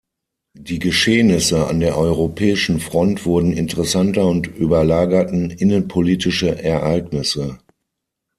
Die Geschehnisse an der europäischen Front wurden interessanter und überlagerten innenpolitische Ereignisse.